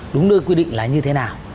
đúng nơi quy định là như thế nào